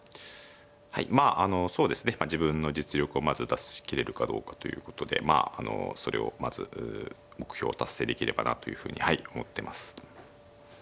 はいまああのそうですね自分の実力をまず出し切れるかどうかということでまああのそれをまず目標を達成できればなというふうに思ってます。